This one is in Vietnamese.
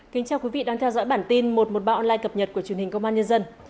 chào mừng quý vị đến với bản tin một trăm một mươi ba online cập nhật của truyền hình công an nhân dân